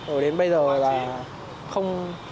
ở đến bây giờ là không